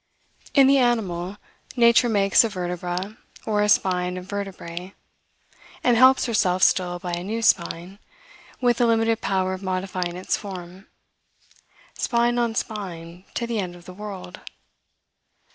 In the animal, nature makes a vertebra, or a spine of vertebrae, and helps herself still by a new spine, with a limited power of modifying its form, spine on spine, to the end of the world.